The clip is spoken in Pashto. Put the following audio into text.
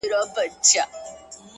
زما په څېره كي. ښكلا خوره سي.